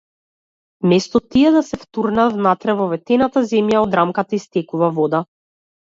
Место тие да се втурнат внатре во ветената земја, од рамката истекува вода.